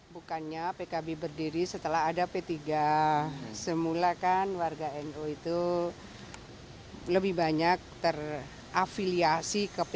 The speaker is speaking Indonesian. bukannya pkb berdiri setelah ada p tiga semula kan warga nu itu lebih banyak terafiliasi ke p tiga